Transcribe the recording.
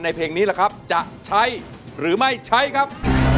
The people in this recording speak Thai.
เพลงนี้ล่ะครับจะใช้หรือไม่ใช้ครับ